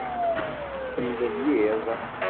Temlelliḍ.